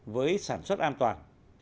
với sản xuất an toàn